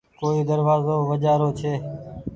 ڪوئي دروآزو وجهآ رو ڇي